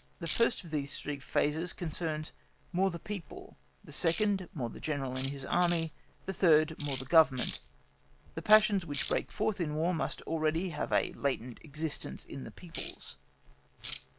The first of these three phases concerns more the people the second, more the General and his Army; the third, more the Government. The passions which break forth in War must already have a latent existence in the peoples.